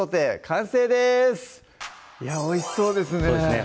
完成ですいやおいしそうですね